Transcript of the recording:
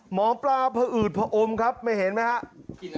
หมอปลาพออืดพออมครับเห็นไหมครับ